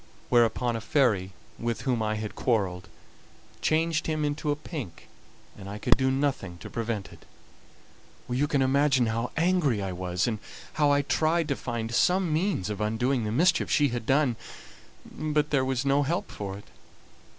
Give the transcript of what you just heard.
Whereupon a fairy with whom I had quarrelled changed him into a pink, and I could do nothing to prevent it. "You can imagine how angry I was, and how I tried to find some means of undoing the mischief she had done; but there was no help for it.